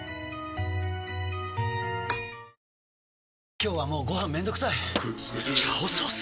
今日はもうご飯めんどくさい「炒ソース」！？